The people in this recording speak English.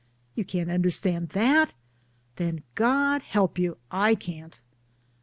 You can't understand that? then God help you, I can't !